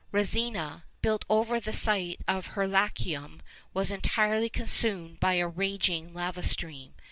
Resina, built over the site of Herculaneum, was entirely consumed by a raging lava stream.